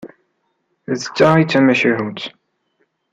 D ta i d-tamacahut.